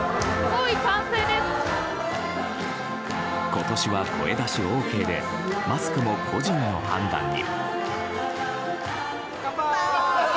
今年は声出しＯＫでマスクも個人の判断に。